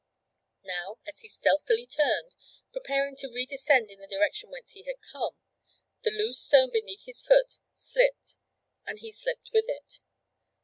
Now, as he stealthily turned, preparing to re descend in the direction whence he had come, the loose stone beneath his foot slipped and he slipped with it.